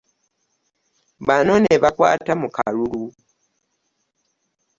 Bano ne bakwata mu kalulu